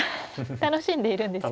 楽しんでいるんですね。